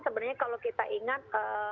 sebenarnya kalau kita ingat